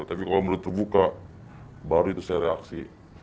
tapi kalau menurut terbuka baru itu saya reaksi